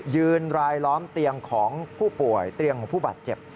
ยืนรายล้อมเตียงของผู้ป่วยเตียงของผู้บาดเจ็บ